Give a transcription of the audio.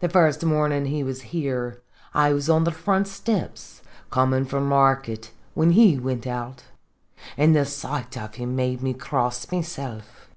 "The first mornin' he was here, I was on the front steps, comin' from market, whin he wint out; an' the sight of him made me cross mysilf